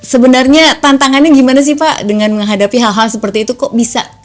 sebenarnya tantangannya gimana sih pak dengan menghadapi hal hal seperti itu kok bisa